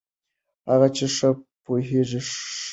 هغه چې ښه پوهېږي، ښه لیکي.